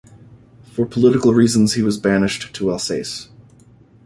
For political reasons he was banished to Alsace.